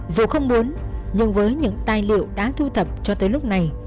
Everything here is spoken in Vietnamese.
dù không muốn nhưng với những tài liệu đã thu thập cho tới lúc này